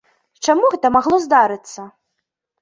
Чаму гэта магло здарыцца?